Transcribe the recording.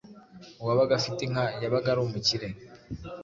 Uwabaga afite inka yabaga ari umukire,